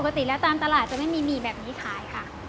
ปกติแล้วตามตลาดจะไม่มีหมี่แบบนี้ขายค่ะ